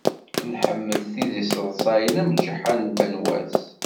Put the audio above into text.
Nḥemmel tid yesseḍsayen am Ǧeḥḥa d Banwas.